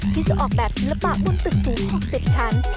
ที่จะออกแบบศิลปะบนตึกสูง๖๐ชั้น